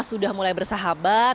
sudah mulai bersahabat